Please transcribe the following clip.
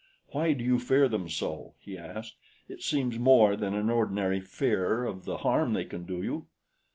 "Why do you fear them so?" he asked. "It seems more than any ordinary fear of the harm they can do you."